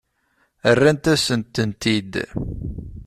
Rrant-asent-tent-id.